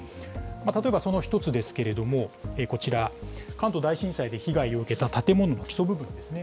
例えばその１つですけれども、こちら、関東大震災で被害を受けた建物の基礎部分ですね。